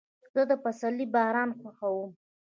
زه د پسرلي باران خوښوم.